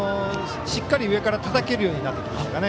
しっかり上からたたけるようになってきましたね。